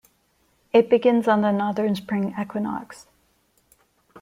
It begins on the northern Spring equinox.